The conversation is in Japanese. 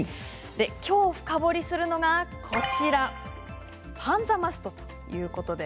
きょう深掘りをするのがパンザマストということです。